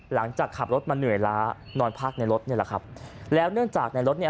หลังจากขับรถมาเหนื่อยล้านอนพักในรถนี่แหละครับแล้วเนื่องจากในรถเนี่ย